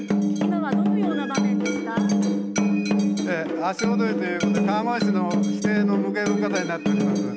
足踊りということで川越市の指定文化財になっています。